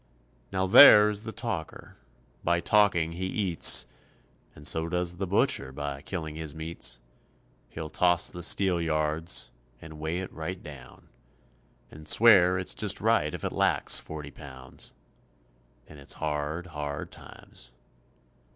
Now there is the talker, by talking he eats, And so does the butcher by killing his meats. He'll toss the steelyards, and weigh it right down, And swear it's just right if it lacks forty pounds, And it's hard, hard times.